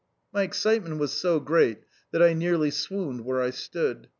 My excitement was so great that I nearly swooned where I stood.